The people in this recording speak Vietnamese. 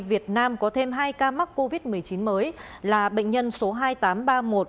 việt nam có thêm hai ca mắc covid một mươi chín mới là bệnh nhân số hai nghìn tám trăm ba mươi một